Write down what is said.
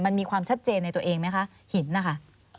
มันมีความชัดเจนในตัวเองไหมคะหินนะคะ